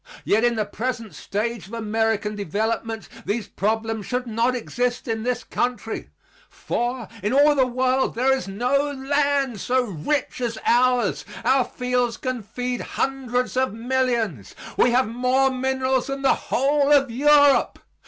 Yet in the present stage of American development these problems should not exist in this country. For, in all the world there is no land so rich as ours. Our fields can feed hundreds of millions. We have more minerals than the whole of Europe.